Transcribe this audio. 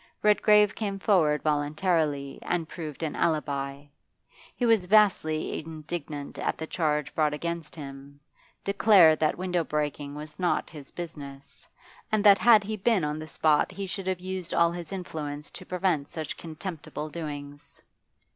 Redgrave came forward voluntarily and proved an alibi; he was vastly indignant at the charge brought against him, declared that window breaking was not his business, and that had he been on the spot he should have used all his influence to prevent such contemptible doings.